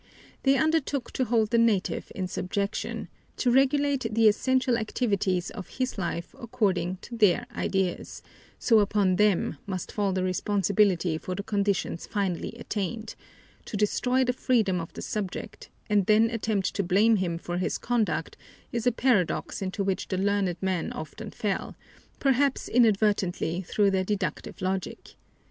They undertook to hold the native in subjection, to regulate the essential activities of his life according to their ideas, so upon them must fall the responsibility for the conditions finally attained: to destroy the freedom of the subject and then attempt to blame him for his conduct is a paradox into which the learned men often fell, perhaps inadvertently through their deductive logic.